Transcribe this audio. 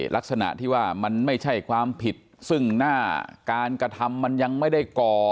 ลักษณะที่ว่ามันไม่ใช่ความผิดซึ่งหน้าการกระทำมันยังไม่ได้ก่อ